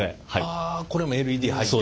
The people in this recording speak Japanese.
あこれもＬＥＤ入って。